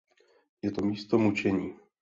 Je to místo mučení.